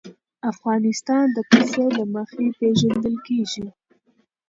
افغانستان د پسه له مخې پېژندل کېږي.